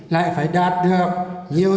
lại phải đạt được nhiều